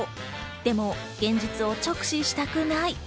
でも現実を直視したくない。